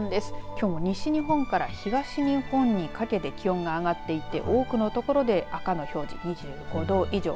きょうも西日本から東日本にかけて気温が上がっていて多くの所で赤の表示２５度以上。